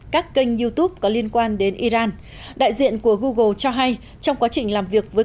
các kênh youtube có liên quan đến iran đại diện của google cho hay trong quá trình làm việc với